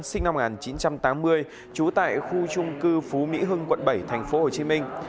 sinh năm một nghìn chín trăm tám mươi trú tại khu trung cư phú mỹ hưng quận bảy thành phố hồ chí minh